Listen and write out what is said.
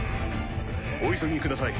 お急ぎください。